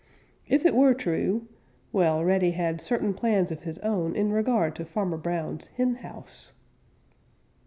If it were true, well, Reddy had certain plans of his own in regard to Farmer Brown's henhouse.